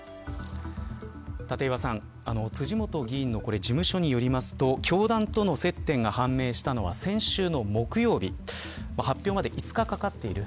立岩さん、辻元議員の事務所によりますと教団との接点が判明したのは先週の木曜日発表まで５日かかっている。